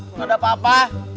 nggak ada apa apa